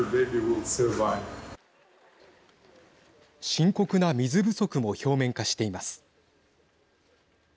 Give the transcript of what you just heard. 深刻な水不足も表面化しています。